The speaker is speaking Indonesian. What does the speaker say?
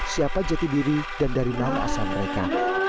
siapa jati diri dan dari nama asal mereka